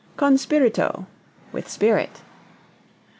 Con spirito with spirit.